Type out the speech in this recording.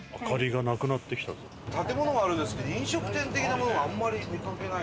建物はあるんですけど飲食店的なものはあんまり見かけない。